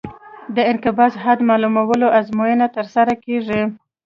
د انقباض حد معلومولو ازموینه ترسره کیږي